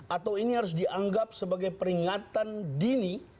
atau ini harus dianggap sebagai peringatan dini